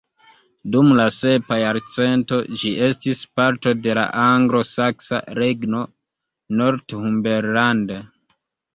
Dum la sepa jarcento, ĝi estis parto de la anglo-saksa regno Northumberland.